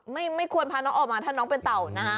ไม่ควรพาน้องออกมาถ้าน้องเป็นเต่านะฮะ